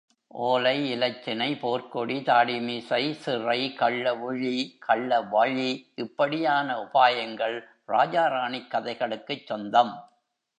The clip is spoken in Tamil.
ஓலை, இலச்சினை, போர்க்கொடி, தாடி மீசை, சிறை, கள்ளவிழி கள்ளவழி இப்படியான உபாயங்கள் ராஜாராணிக் கதைகளுக்குச் சொந்தம்.